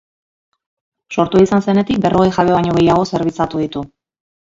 Sortua izan zenetik, berrogei jabe baino gehiago zerbitzatu ditu.